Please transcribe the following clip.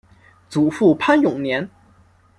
祖父潘永年。